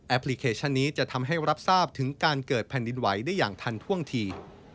พลิเคชันนี้จะทำให้รับทราบถึงการเกิดแผ่นดินไหวได้อย่างทันท่วงที